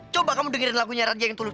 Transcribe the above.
coba kamu dengerin lagunya raja yang tulus